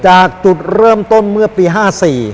จากจุดเริ่มต้นเมื่อปี๕๔